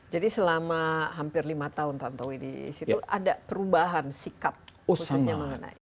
jadi selama hampir lima tahun tanto widis itu ada perubahan sikap khususnya mengenai